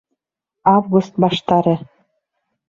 Август баштары.